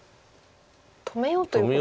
止めようということですか。